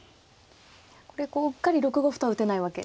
これうっかり６五歩とは打てないわけですね。